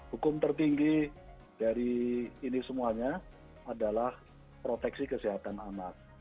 hukum tertinggi dari ini semuanya adalah proteksi kesehatan anak